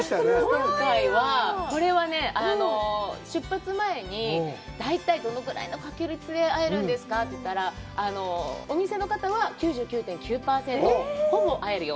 今回は、これはね、出発前に大体どのぐらいの確率で会えるんですかって言ったら、お店の方は９９．９％、ほぼ会えると。